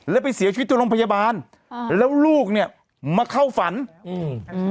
แล้วไปเสียชีวิตตรงโรงพยาบาลอ่าแล้วลูกเนี้ยมาเข้าฝันอืมอืม